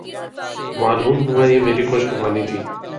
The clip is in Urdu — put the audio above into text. معلوم ہوا یہ میری خوش گمانی تھی۔